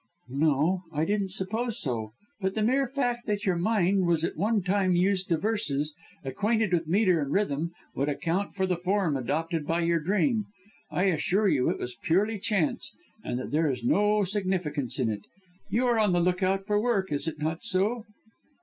"No, I didn't suppose so, but the mere fact that your mind was at one time used to verses acquainted with metre and rhythm, would account for the form adopted by your dream. I assure you it was purely chance and that there is no significance in it! You are on the look out for work, is it not so?"